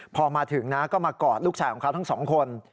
พอมาถึงนะก็มากอดลูกชายของเขาทั้งสองคน